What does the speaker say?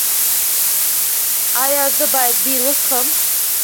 ایا زه باید بیر وڅښم؟